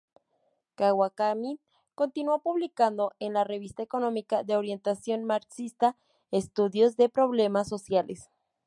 Kawakami continuó publicando en la revista económica de orientación marxista "Estudios de Problemas Sociales".